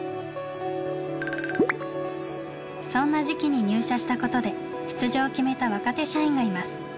そんな時期に入社したことで出場を決めた若手社員がいます。